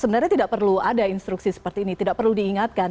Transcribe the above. sebenarnya tidak perlu ada instruksi seperti ini tidak perlu diingatkan